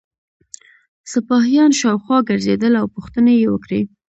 سپاهیان شاوخوا ګرځېدل او پوښتنې یې وکړې.